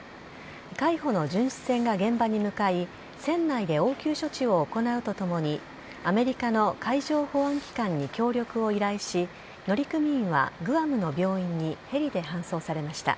海保の巡視船が現場に向かい船内で応急処置を行うとともにアメリカの海上保安機関に協力を依頼し乗組員はグアムの病院にヘリで搬送されました。